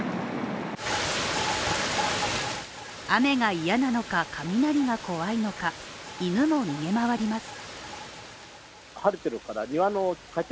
雨が嫌なのか、雷が怖いのか犬も逃げ回ります。